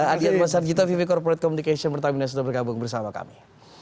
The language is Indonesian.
arjad masarjitah vb corporate communication pertamina sudah bergabung bersama kami